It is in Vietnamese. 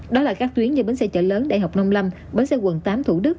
đó là các tuyến như bến xe chợ lớn đại học nông lâm bến xe quận tám thủ đức